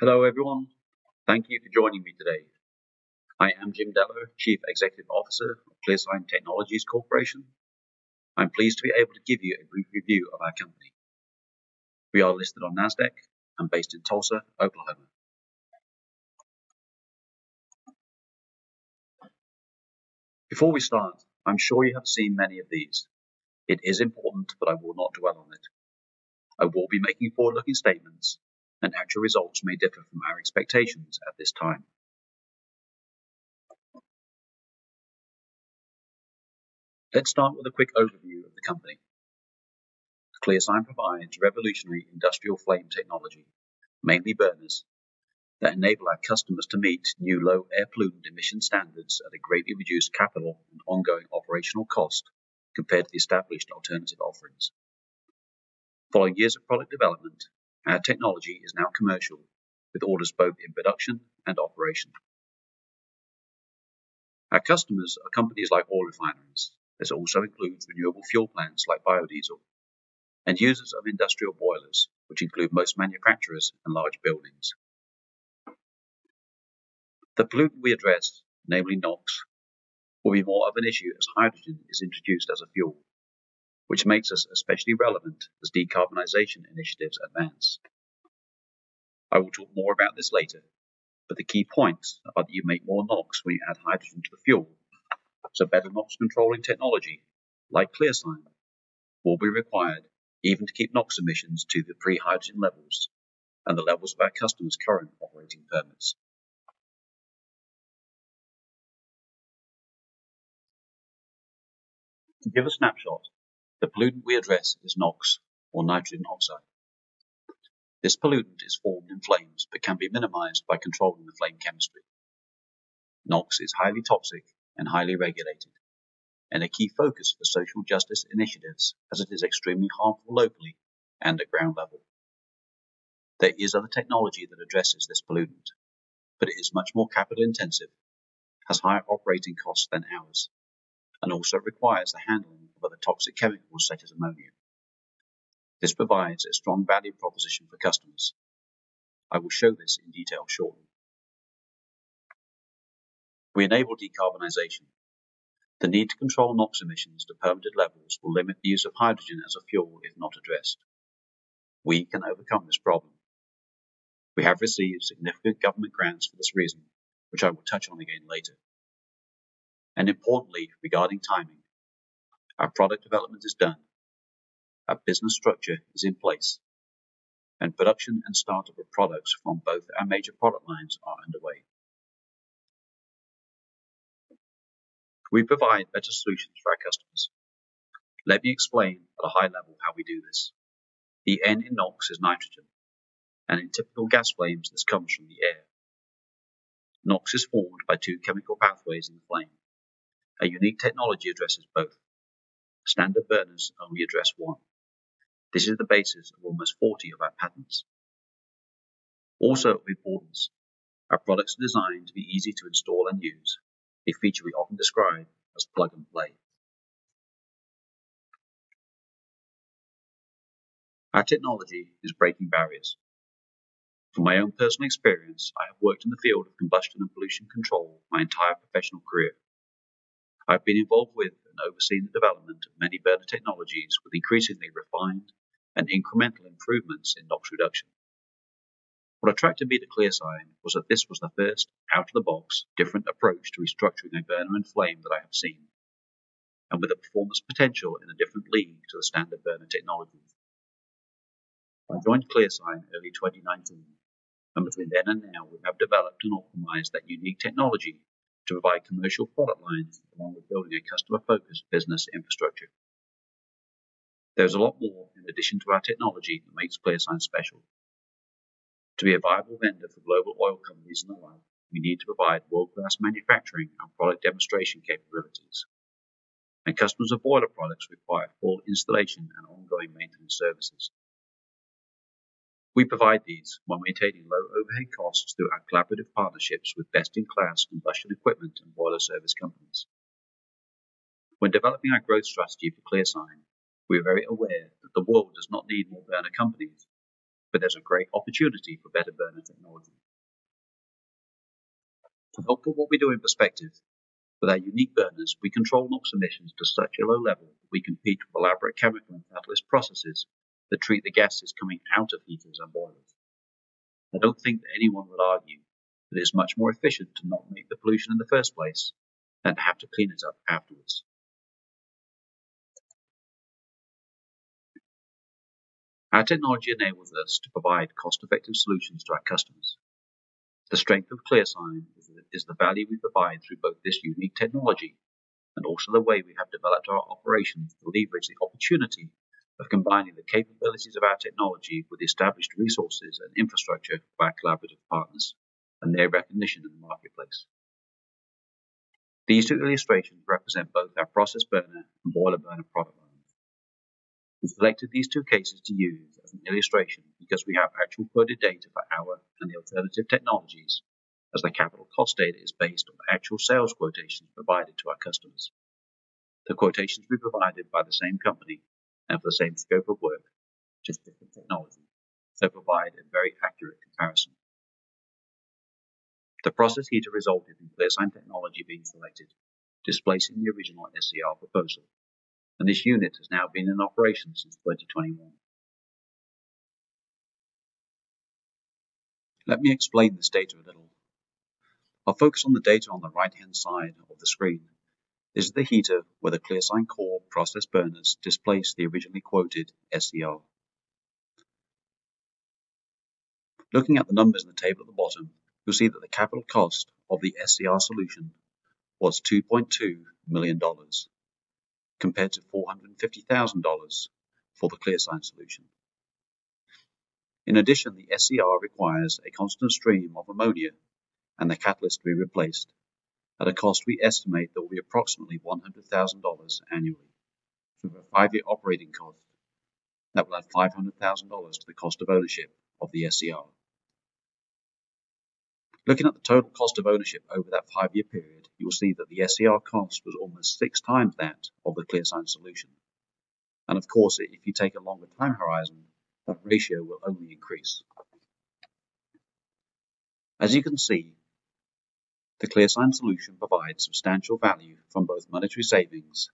Hello, everyone. Thank you for joining me today. I am Jim Deller, Chief Executive Officer of ClearSign Technologies Corporation. I'm pleased to be able to give you a brief review of our company. We are listed on Nasdaq and based in Tulsa, Oklahoma. Before we start, I'm sure you have seen many of these. It is important, but I will not dwell on it. I will be making forward-looking statements, and actual results may differ from our expectations at this time. Let's start with a quick overview of the company. ClearSign provides revolutionary industrial flame technology, mainly burners, that enable our customers to meet new low air pollutant emission standards at a greatly reduced capital and ongoing operational cost compared to the established alternative offerings. Following years of product development, our technology is now commercial, with orders both in production and operation. Our customers are companies like oil refineries. This also includes renewable fuel plants like biodiesel and users of industrial boilers, which include most manufacturers and large buildings. The pollutant we address, namely NOx, will be more of an issue as hydrogen is introduced as a fuel, which makes us especially relevant as decarbonization initiatives advance. I will talk more about this later, but the key points are that you make more NOx when you add hydrogen to the fuel. Better NOx controlling technology, like ClearSign, will be required even to keep NOx emissions to the pre-hydrogen levels and the levels of our customers' current operating permits. To give a snapshot, the pollutant we address is NOx or nitrogen oxide. This pollutant is formed in flames, but can be minimized by controlling the flame chemistry. NOx is highly toxic and highly regulated, and a key focus for social justice initiatives as it is extremely harmful locally and at ground level. There is other technology that addresses this pollutant, but it is much more capital-intensive, has higher operating costs than ours, and also requires the handling of other toxic chemicals, such as ammonia. This provides a strong value proposition for customers. I will show this in detail shortly. We enable decarbonization. The need to control NOx emissions to permitted levels will limit the use of hydrogen as a fuel if not addressed. We can overcome this problem. We have received significant government grants for this reason, which I will touch on again later. Importantly, regarding timing, our product development is done, our business structure is in place, and production and start-up of products from both our major product lines are underway. We provide better solutions for our customers. Let me explain at a high level how we do this. The N in NOx is nitrogen, and in typical gas flames, this comes from the air. NOx is formed by two chemical pathways in the flame. Our unique technology addresses both. Standard burners only address one. This is the basis of almost 40 of our patents. Also of importance, our products are designed to be easy to install and use, a feature we often describe as plug and play. Our technology is breaking barriers. From my own personal experience, I have worked in the field of combustion and pollution control my entire professional career. I've been involved with and overseen the development of many burner technologies with increasingly refined and incremental improvements in NOx reduction. What attracted me to ClearSign was that this was the first out-of-the-box, different approach to restructuring a burner and flame that I have seen, and with a performance potential in a different league to the standard burner technology. I joined ClearSign early 2019, and between then and now, we have developed and optimized that unique technology to provide commercial product lines, along with building a customer-focused business infrastructure. There's a lot more in addition to our technology that makes ClearSign special. To be a viable vendor for global oil companies and the like, we need to provide world-class manufacturing and product demonstration capabilities. And customers of boiler products require full installation and ongoing maintenance services. We provide these while maintaining low overhead costs through our collaborative partnerships with best-in-class combustion equipment and boiler service companies. When developing our growth strategy for ClearSign, we are very aware that the world does not need more burner companies, but there's a great opportunity for better burner technology. To help put what we do in perspective, with our unique burners, we control NOx emissions to such a low level that we compete with elaborate chemical and catalyst processes that treat the gases coming out of heaters and boilers. I don't think that anyone would argue that it's much more efficient to not make the pollution in the first place than have to clean it up afterwards. Our technology enables us to provide cost-effective solutions to our customers. The strength of ClearSign is the value we provide through both this unique technology and also the way we have developed our operations to leverage the opportunity of combining the capabilities of our technology with the established resources and infrastructure of our collaborative partners and their recognition in the marketplace. These two illustrations represent both our process burner and boiler burner product lines. We've selected these two cases to use as an illustration because we have actual quoted data for our and the alternative technologies, as the capital cost data is based on actual sales quotations provided to our customers. The quotations we provided by the same company and for the same scope of work, just different technology, so provide a very accurate comparison. The process heater resulted in ClearSign technology being selected, displacing the original SCR proposal, and this unit has now been in operation since 2021. Let me explain this data a little. I'll focus on the data on the right-hand side of the screen. This is the heater where the ClearSign Core process burners displaced the originally quoted SCR. Looking at the numbers in the table at the bottom, you'll see that the capital cost of the SCR solution was $2.2 million, compared to $450,000 for the ClearSign solution. In addition, the SCR requires a constant stream of ammonia and the catalyst to be replaced at a cost we estimate that will be approximately $100,000 annually, for a five-year operating cost that will add $500,000 to the cost of ownership of the SCR. Looking at the total cost of ownership over that 5-year period, you will see that the SCR cost was almost 6 times that of the ClearSign solution. And of course, if you take a longer time horizon, that ratio will only increase. As you can see, the ClearSign solution provides substantial value from both monetary savings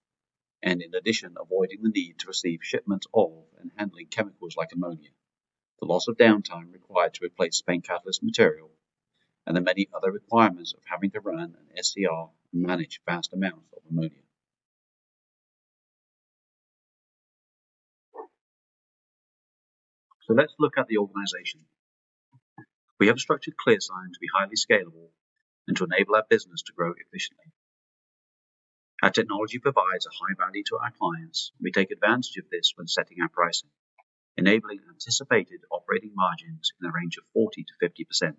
and, in addition, avoiding the need to receive shipments of and handling chemicals like ammonia. The loss of downtime required to replace spent catalyst material and the many other requirements of having to run an SCR and manage vast amounts of ammonia. So let's look at the organization. We have structured ClearSign to be highly scalable and to enable our business to grow efficiently. Our technology provides a high value to our clients. We take advantage of this when setting our pricing, enabling anticipated operating margins in the range of 40%-50%.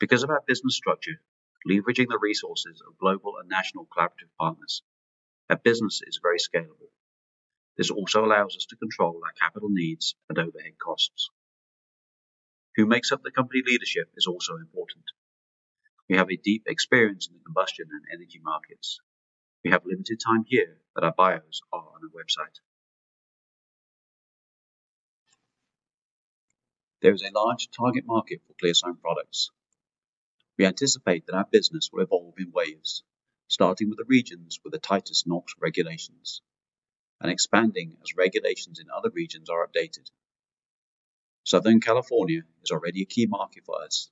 Because of our business structure, leveraging the resources of global and national collaborative partners, our business is very scalable. This also allows us to control our capital needs and overhead costs. Who makes up the company leadership is also important. We have a deep experience in the combustion and energy markets. We have limited time here, but our bios are on our website. There is a large target market for ClearSign products. We anticipate that our business will evolve in waves, starting with the regions with the tightest NOx regulations, and expanding as regulations in other regions are updated. Southern California is already a key market for us,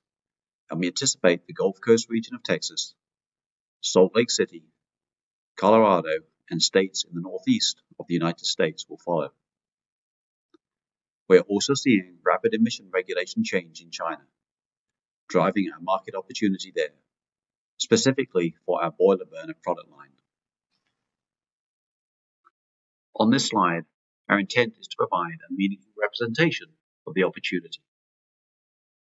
and we anticipate the Gulf Coast region of Texas, Salt Lake City, Colorado, and states in the Northeast of the United States will follow. We are also seeing rapid emission regulation change in China, driving our market opportunity there, specifically for our boiler burner product line. On this slide, our intent is to provide a meaningful representation of the opportunity.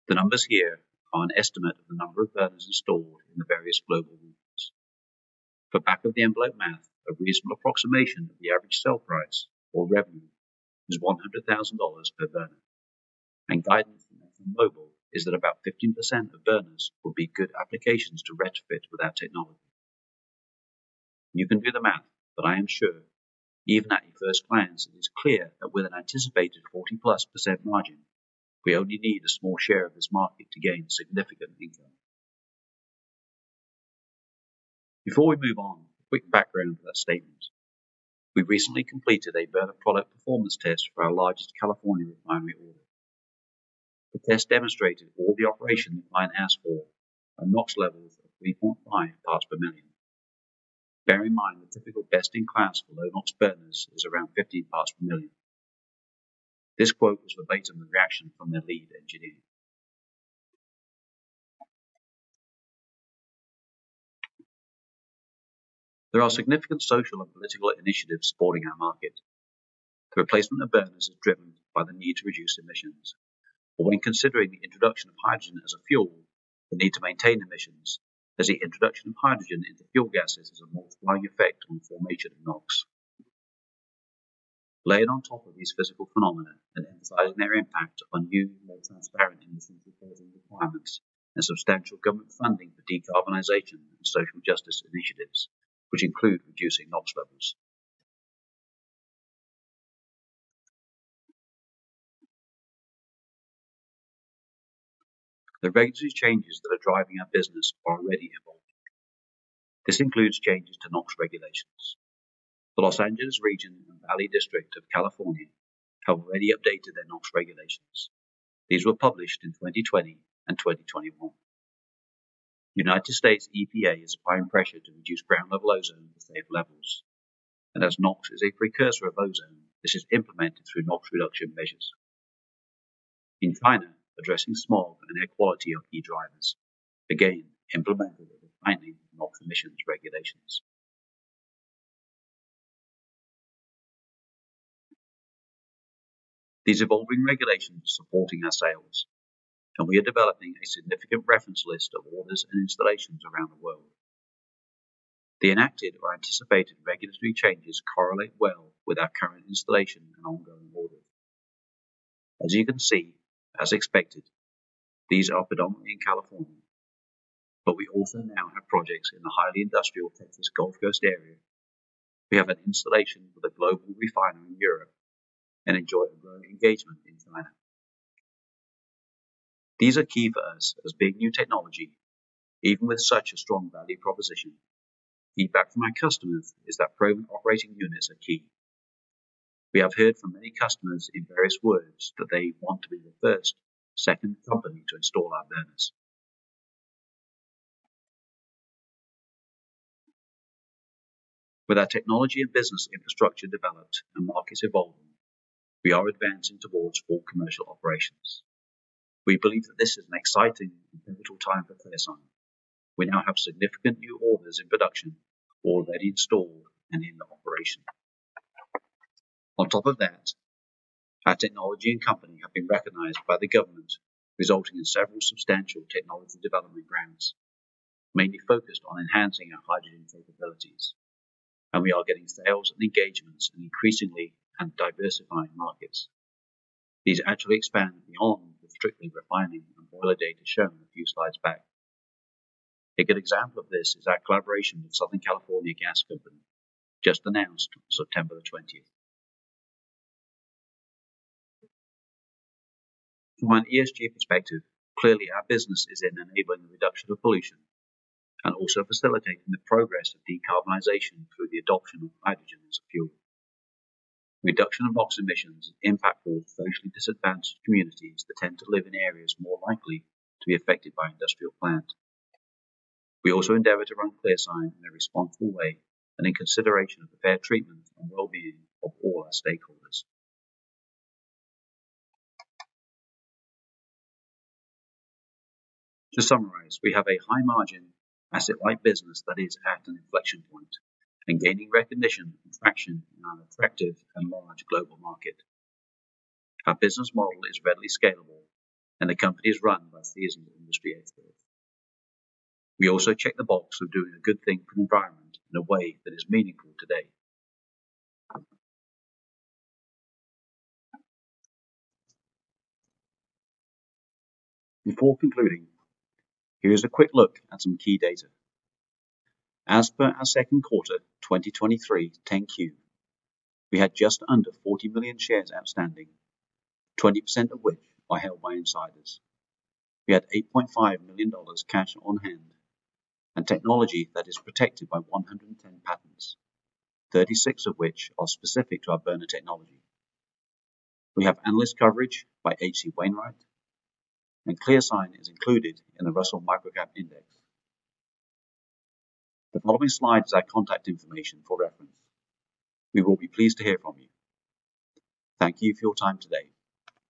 The numbers here are an estimate of the number of burners installed in the various global regions. For back-of-the-envelope math, a reasonable approximation of the average sale price or revenue is $100,000 per burner, and guidance from ExxonMobil is that about 15% of burners will be good applications to retrofit with our technology. You can do the math, but I am sure even at your first glance, it is clear that with an anticipated 40%+ margin, we only need a small share of this market to gain a significant income. Before we move on, a quick background of that statement. We recently completed a burner product performance test for our largest California refinery order. The test demonstrated for all the operation in line asphalt and NOx levels of 3.5 parts per million. Bear in mind, the typical best-in-class for low NOx burners is around 50 parts per million. This quote was verbatim the reaction from their lead engineer. There are significant social and political initiatives supporting our market. The replacement of burners is driven by the need to reduce emissions. Already considering the introduction of hydrogen as a fuel, the need to maintain emissions as the introduction of hydrogen into fuel gases is a multiplying effect on the formation of NOx. Layered on top of these physical phenomena and emphasizing their impact on newly more transparent and increasingly closing requirements and substantial government funding for decarbonization and social justice initiatives, which include reducing NOx levels. The regulatory changes that are driving our business are already evolving. This includes changes to NOx regulations. The Los Angeles region and Valley District of California have already updated their NOx regulations. These were published in 2020 and 2021. The U.S. EPA is applying pressure to reduce ground-level ozone to safe levels, and as NOx is a precursor of ozone, this is implemented through NOx reduction measures. In China, addressing smog and air quality are key drivers, again, implemented with tightening NOx emissions regulations. These evolving regulations are supporting our sales, and we are developing a significant reference list of orders and installations around the world. The enacted or anticipated regulatory changes correlate well with our current installation and ongoing. As you can see, as expected, these are predominantly in California, but we also now have projects in the highly industrial Texas Gulf Coast area. We have an installation with a global refiner in Europe and enjoy a growing engagement in China. These are key for us as being new technology, even with such a strong value proposition. Feedback from our customers is that proven operating units are key. We have heard from many customers in various words that they want to be the first, second company to install our burners. With our technology and business infrastructure developed and markets evolving, we are advancing towards full commercial operations. We believe that this is an exciting and pivotal time for ClearSign. We now have significant new orders in production, already installed and in operation. On top of that, our technology and company have been recognized by the government, resulting in several substantial technology development grants, mainly focused on enhancing our hydrogen capabilities, and we are getting sales and engagements in increasingly and diversifying markets. These actually expand beyond the strictly refining and boiler data shown a few slides back. A good example of this is our collaboration with Southern California Gas Company, just announced on September 20. From an ESG perspective, clearly our business is in enabling the reduction of pollution and also facilitating the progress of decarbonization through the adoption of hydrogen as a fuel. Reduction of NOx emissions impact all socially disadvantaged communities that tend to live in areas more likely to be affected by industrial plant. We also endeavor to run ClearSign in a responsible way and in consideration of the fair treatment and well-being of all our stakeholders. To summarize, we have a high-margin, asset-light business that is at an inflection point and gaining recognition and traction in an attractive and large global market. Our business model is readily scalable, and the company is run by seasoned industry experts. We also check the box of doing a good thing for the environment in a way that is meaningful today. Before concluding, here is a quick look at some key data. As per our second quarter 2023 10-Q, we had just under 40 million shares outstanding, 20% of which are held by insiders. We had $8.5 million cash on hand and technology that is protected by 110 patents, 36 of which are specific to our burner technology. We have analyst coverage by H.C. Wainwright, and ClearSign is included in the Russell Microcap Index. The following slide is our contact information for reference. We will be pleased to hear from you. Thank you for your time today.